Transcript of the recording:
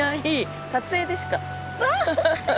撮影でしか。